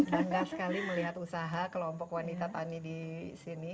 bangga sekali melihat usaha kelompok wanita tani di sini